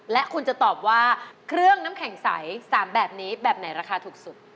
และคุณจะตอบว่าเครื่องน้ำแข็งใส๓แบบนี้แบบไหนราคาถูกสุด